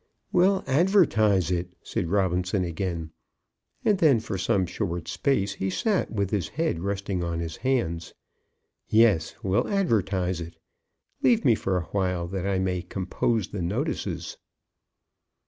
"We'll advertise it," said Robinson again; and then for some short space he sat with his head resting on his hands. "Yes, we'll advertise it. Leave me for awhile, that I may compose the notices."